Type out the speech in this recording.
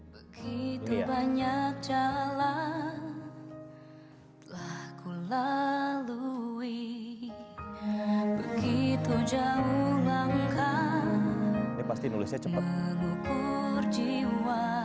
begitu banyak jalan telah kulalui begitu jauh langkah mengukur jiwa